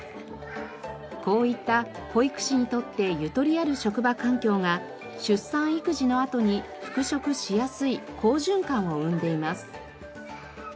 こういった保育士にとってゆとりある職場環境が出産育児のあとに復職しやすい好循環を生んでいます。